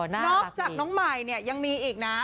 นอกจากน้องใหม่เนี่ยยังมีอีกนะ